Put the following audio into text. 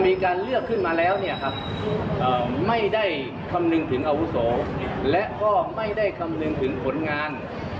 มีการเลือกขึ้นมาแล้วเนี่ยครับไม่ได้คำนึงถึงอาวุโสและก็ไม่ได้คำนึงถึงผลงาน